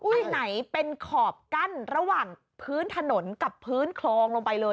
อันไหนเป็นขอบกั้นระหว่างพื้นถนนกับพื้นคลองลงไปเลย